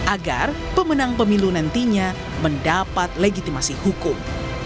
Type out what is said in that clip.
agar pemenang pemilu nantinya mendapat legitimasi hukum